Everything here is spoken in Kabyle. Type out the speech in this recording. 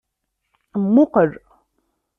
Mmuqqel!